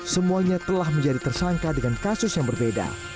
semuanya telah menjadi tersangka dengan kasus yang berbeda